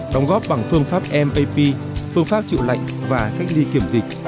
đóng góp bằng phương pháp map phương pháp chịu lạnh và cách ly kiểm dịch